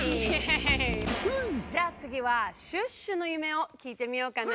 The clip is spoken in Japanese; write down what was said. じゃあつぎはシュッシュの夢をきいてみようかな！